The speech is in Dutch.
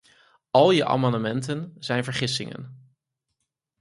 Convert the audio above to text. Al je amendementen zijn vergissingen.